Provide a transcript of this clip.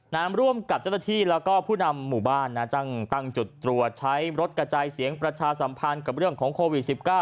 ร่วมกับเจ้าหน้าที่แล้วก็ผู้นำหมู่บ้านนะตั้งจุดตรวจใช้รถกระจายเสียงประชาสัมพันธ์กับเรื่องของโควิด๑๙